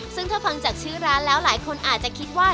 ซึ่งถ้าฟังจากชื่อร้านแล้วหลายคนอาจจะคิดว่า